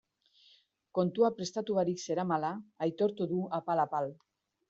Kontua prestatu barik zeramala aitortu du apal-apal.